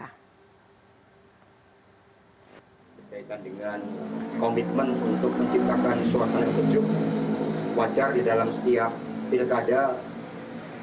berkaitan dengan komitmen untuk menciptakan suasana yang sejuk wajar di dalam setiap pilkada